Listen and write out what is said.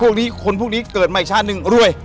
พวกนี้คนพวกนี้เกิดมาอีกชาติหนึ่งรวย